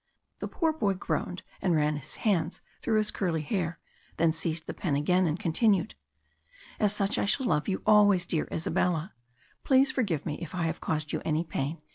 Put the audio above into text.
The poor boy groaned and ran his hands through his curly hair, then seized the pen again, and continued "as such I shall love you always, dear Isabella. Please forgive me if I have caused you any pain.